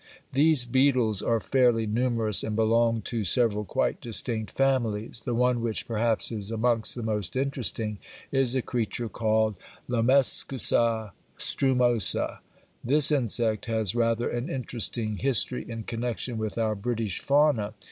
These beetles are fairly numerous and belong to several quite distinct families; the one which perhaps is amongst the most interesting is a creature called Lomechusa strumosa. This insect has rather an interesting history in connexion with our British fauna.